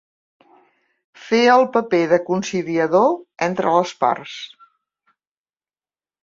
Fer el paper de conciliador entre les parts.